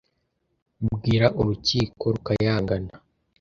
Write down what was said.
Bwira urukiko rukayangana